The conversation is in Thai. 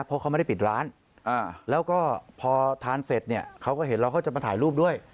เพราะเขาไม่ได้ปิดร้านแล้วก็พอทานเสร็จเนี่ยเขาก็เห็นแล้วเขาจะมาถ่ายรูปด้วย